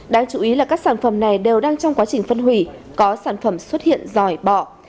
đáng chú ý là các sản phẩm này đều đang trong quá trình phân hủy có sản phẩm xuất hiện giỏi